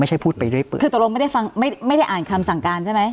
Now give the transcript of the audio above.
พูดไปด้วยปืนคือตกลงไม่ได้ฟังไม่ไม่ได้อ่านคำสั่งการใช่ไหม